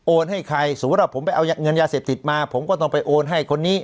ให้ใครสมมุติว่าผมไปเอาเงินยาเสพติดมาผมก็ต้องไปโอนให้คนนี้